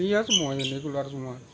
iya semuanya ini keluar semua